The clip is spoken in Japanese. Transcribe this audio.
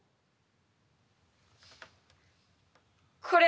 これ。